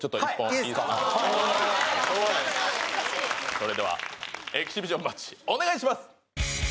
それではエキシビションマッチお願いします！